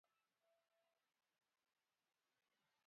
Osiepena adi ma osetho ka gimanyo pesa ni?